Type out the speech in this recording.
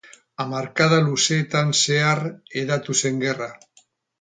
Hamarkada luzeetan zehar hedatu zen gerra.